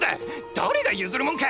誰が譲るもんか！